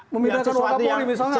memindahkan orang kapolri misalnya